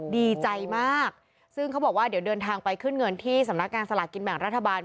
ดีใจมากซึ่งเขาบอกว่าเดี๋ยวเดินทางไปขึ้นเงินที่สำนักงานสลากกินแบ่งรัฐบาล